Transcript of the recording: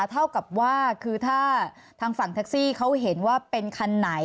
เท่ากับว่าคือถ้าทางฝั่งแท็กซี่เขาเห็นว่าเป็นคันไหน